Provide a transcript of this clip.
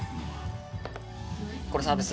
これサービス。